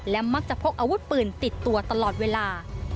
และมักจะพกอาวุธปืนติดตัวตลอดเวลา